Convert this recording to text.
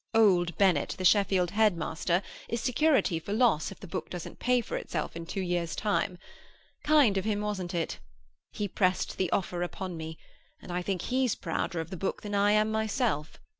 "Old Bennet, the Sheffield headmaster, is security for loss if the book doesn't pay for itself in two years' time. Kind of him, wasn't it? He pressed the offer upon me, and I think he's prouder of the book than I am myself.